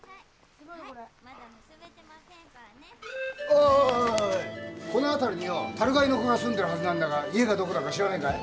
ああこの辺りによ樽買いの子が住んでるはずなんだが家がどこだか知らねえかい。